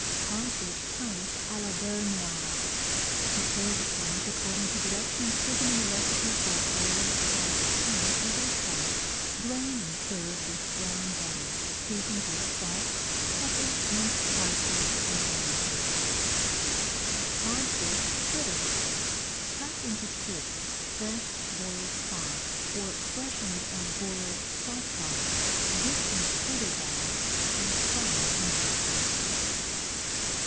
CODFISH TONGUES À LA BEURRE NOIR Prepare the tongues according to directions [Page 104] given in the recipe for Boiled Cods' Tongues with Egg Sauce. Drain and serve with brown butter, seasoned with salt, pepper, minced parsley, and lemon juice. CODFISH FRITTERS Cut into strips fresh boiled cod, or freshened and boiled salt cod. Dip in fritter batter and fry in deep fat.